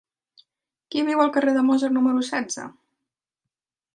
Qui viu al carrer de Mozart número setze?